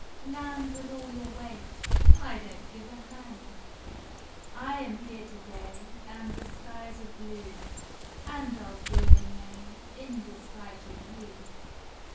Land with all your weight I don t give a hang! I am here to day And the skies are blue, And I ll joy in May In despite of you.